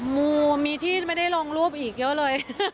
มูมีที่ไม่ได้ลงรูปอีกเยอะเลย